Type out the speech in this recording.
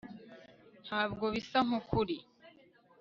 Ntabwo bisa nkukuri